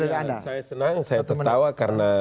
dari anda saya senang saya tertawa karena